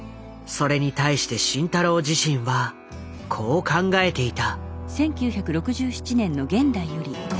それに対して慎太郎自身はこう考えていた。